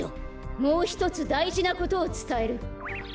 もうひとつだいじなことをつたえる。